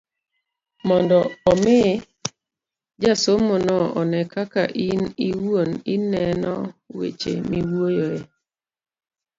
mondo omi jasomono one kaka in iwuon ineno weche miwuoyoe.